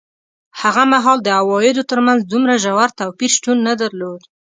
هغه مهال د عوایدو ترمنځ دومره ژور توپیر شتون نه درلود.